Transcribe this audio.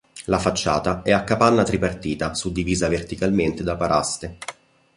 La facciata è a capanna tripartita suddivisa verticalmente da paraste.